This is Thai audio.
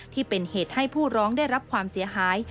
ที่เป็นเหตุให้ผู้ร้องได้รับความเสียหาย